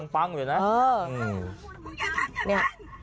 ปังด้วยนะ